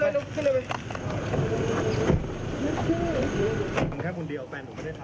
แฟนหนูไม่ได้ทำ